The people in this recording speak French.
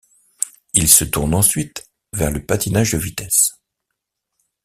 Il se tourne ensuite vers le patinage de vitesse.